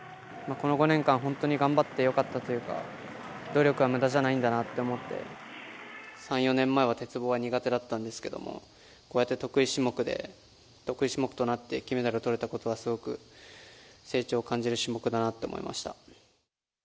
この５年間、本当に頑張ってよかったというか、努力はむだじゃないんだなって思って、３、４年前は鉄棒が苦手だったんですけれども、こうやって得意種目で、得意種目となって、金メダルをとれたことは、すごく成長を感じる種目だなって思いました。